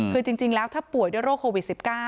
คือจริงแล้วถ้าป่วยด้วยโรคโควิด๑๙